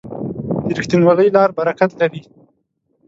د رښتینولۍ لار برکت لري.